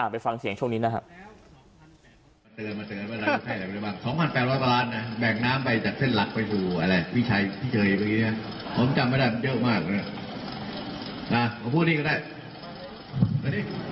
ไปฟังเสียงช่วงนี้นะครับ